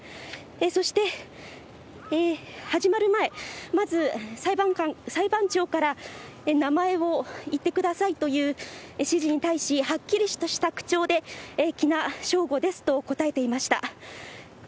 そして、始まる前、まず、裁判長から名前を言ってくださいという指示に対し、はっきりとした口調で、喜納尚吾ですと答えていました。